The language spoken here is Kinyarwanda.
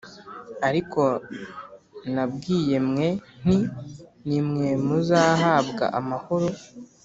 Ariko nabwiye mwe nti Ni mwe muzahabwa amahoro